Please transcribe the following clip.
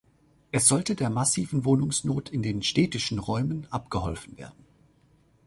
Es sollte der massiven Wohnungsnot in den städtischen Räumen abgeholfen werden.